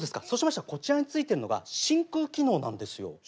そうしましたらこちらについてるのが真空機能なんですよ。